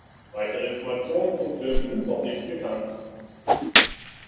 Weitere Informationen zum Film sind noch nicht bekannt.